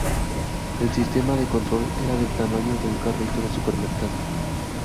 El sistema de control era del tamaño de un carrito de supermercado.